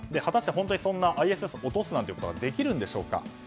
果たして、本当にＩＳＳを落とすなんていうことができるんでしょうか。